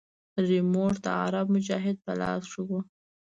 ريموټ د عرب مجاهد په لاس کښې و.